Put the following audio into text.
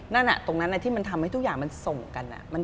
นั่นตรงนั้นที่มันทำให้ทุกอย่างมันส่งกัน